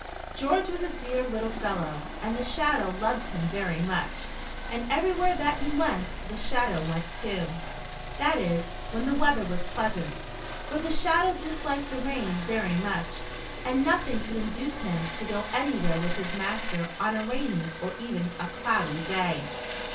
George was a dear little fel low, and the Shadow loved him very much, and everywhere that he went, the Shadow went too. That is, when the weather was pleasant, for the Shadow disliked the rain very much and nothing could induce him to go anywhere with his master on a rainy, or even a cloudy day.